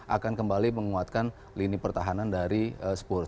akan kembali menguatkan lini pertahanan dari spur